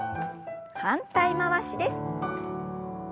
反対回しです。